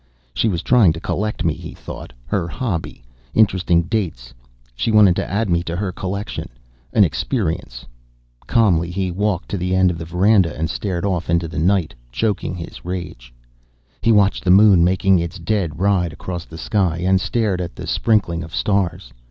She was trying to collect me, he thought. Her hobby: interesting dates. She wanted to add me to her collection. An Experience. Calmly he walked to the end of the veranda and stared off into the night, choking his rage. He watched the moon making its dead ride across the sky, and stared at the sprinkling of stars.